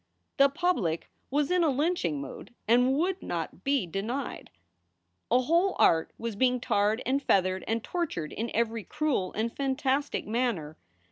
The public was in a lynching mood and would not be denied. A whole art was being tarred and feathered and tortured in every cruel and fantastic manner.